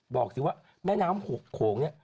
บอกสิว่าแม่น้ำ๖วง